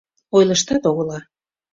— Ойлыштат огыла...